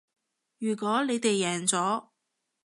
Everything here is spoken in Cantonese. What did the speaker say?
如果你哋贏咗